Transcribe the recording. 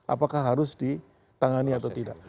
apakah harus ditangani atau tidak